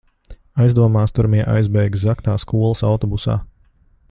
Aizdomās turamie aizbēga zagtā skolas autobusā.